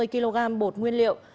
một trăm năm mươi kg bột nguyên liệu